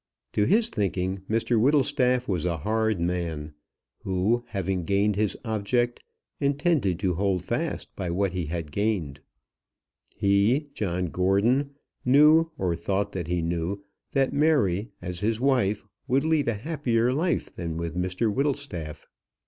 To his thinking, Mr Whittlestaff was a hard man, who, having gained his object, intended to hold fast by what he had gained. He, John Gordon, knew, or thought that he knew, that Mary, as his wife, would lead a happier life than with Mr Whittlestaff.